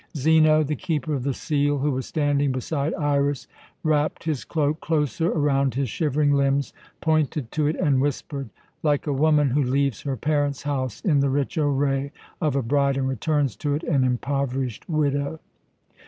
Zeno, the Keeper of the Seal, who was standing beside Iras, wrapped his cloak closer around his shivering limbs, pointed to it, and whispered, "Like a woman who leaves her parents' house in the rich array of a bride, and returns to it an impoverished widow."